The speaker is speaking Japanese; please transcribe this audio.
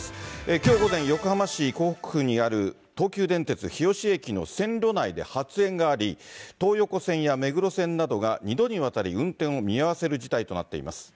きょう午前、横浜市港北区にある東急電鉄日吉駅の線路内で発煙があり、東横線や目黒線などが２度にわたり、運転を見合わせる事態となっています。